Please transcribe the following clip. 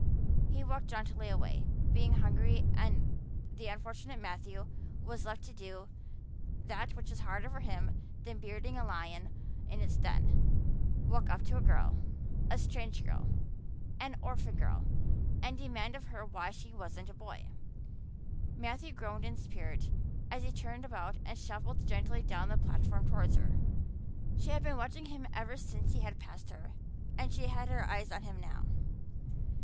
He walked jauntily away, being hungry, and the unfortunate Matthew was left to do that which was harder for him than bearding a lion in its den walk up to a girl a strange girl an orphan girl and demand of her why she wasn't a boy. Matthew groaned in spirit as he turned about and shuffled gently down the platform towards her. She had been watching him ever since he had passed her and she had her eyes on him now.